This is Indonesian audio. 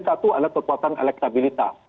satu adalah kekuatan elektabilitas